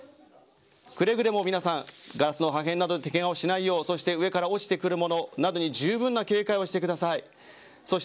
くれぐれも皆さんガラスの破片などでけがをしないよう、そして上から落ちてくるものなどにじゅうぶんな警戒をしてください。